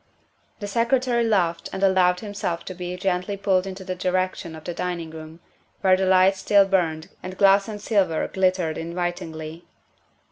The Secretary laughed and allowed himself to be gently pulled in the direction of the dining room, where the lights still burned and glass and silver glittered in vitingly.